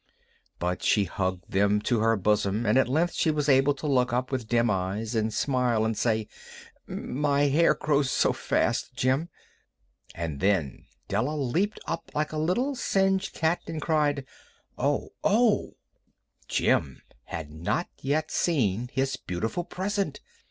But she hugged them to her bosom, and at length she was able to look up with dim eyes and a smile and say: "My hair grows so fast, Jim!" And then Della leaped up like a little singed cat and cried, "Oh, oh!" Jim had not yet seen his beautiful present.